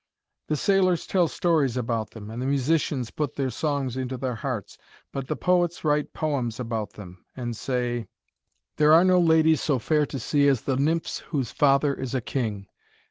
The sailors tell stories of them, and the musicians put their songs into their hearts. But the poets write poems about them, and say: 'There are no ladies so fair to see as the nymphs whose father is a king.